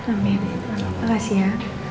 amin makasih ya